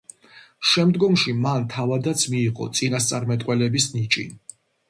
შემდგომში მან თავადაც მიიღო წინასწარმეტყველების ნიჭი.